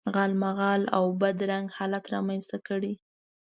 غالمغال او بد رنګ حالت رامنځته کړي.